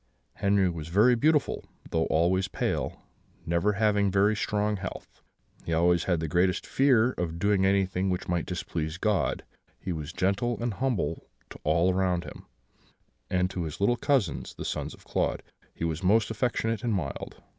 "Henri was very beautiful, though always pale, never having very strong health. He always had the greatest fear of doing anything which might displease God; he was gentle and humble to all around him, and to his little cousins, the sons of Claude, he was most affectionate and mild.